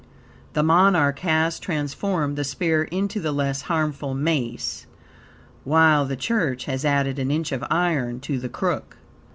The monarch has transformed the spear into the less harmful mace, while the Church has added an inch of iron to the crook.